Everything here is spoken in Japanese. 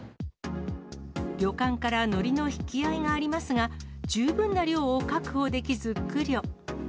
旅館からのりの引き合いがありますが、十分な量を確保できず、苦慮。